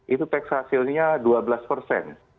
itu tax ratio nya dua belas persen